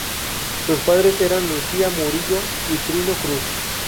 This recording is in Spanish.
Sus padres eran Lucila Murillo y Trino Cruz.